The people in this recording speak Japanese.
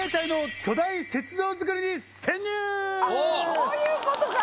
あっそういうことか。